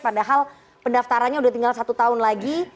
padahal pendaftarannya sudah tinggal satu tahun lagi